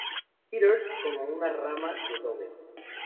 Peter's como una rama de Dover.